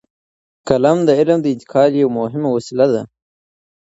قلم د علم د انتقال یوه مهمه وسیله ده.